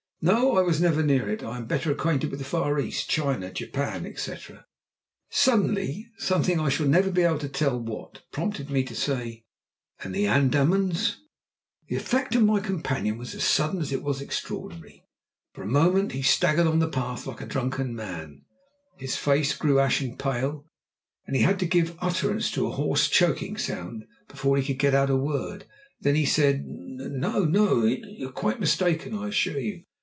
"No. I was never near it. I am better acquainted with the Far East China, Japan, etc." Suddenly something, I shall never be able to tell what, prompted me to say: "And the Andamans?" The effect on my companion was as sudden as it was extraordinary. For a moment he staggered on the path like a drunken man; his face grew ashen pale, and he had to give utterance to a hoarse choking sound before he could get out a word. Then he said: "No no you are quite mistaken, I assure you.